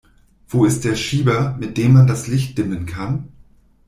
Wo ist der Schieber, mit dem man das Licht dimmen kann?